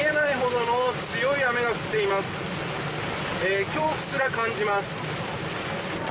恐怖すら感じます。